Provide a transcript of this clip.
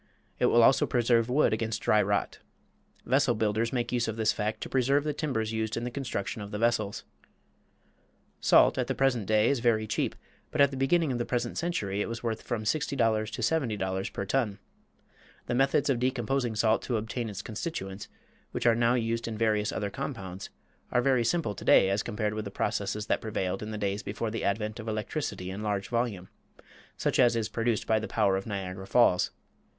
It will also preserve wood against dry rot. Vessel builders make use of this fact to preserve the timbers used in the construction of the vessels. Salt at the present day is very cheap, but at the beginning of the present century it was worth from $60 to $70 per ton. The methods of decomposing salt to obtain its constituents, which are used in various other compounds, are very simple to day as compared with the processes that prevailed in the days before the advent of electricity in large volume, such as is produced by the power of Niagara Falls.